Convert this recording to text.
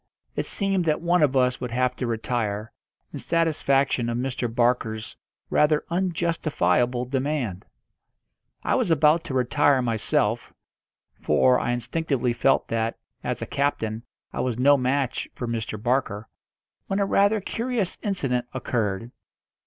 It seemed that one of us would have to retire, in satisfaction of Mr. Barker's rather unjustifiable demand. I was about to retire myself for I instinctively felt that, as a captain, I was no match for Mr. Barker when a rather curious incident occurred.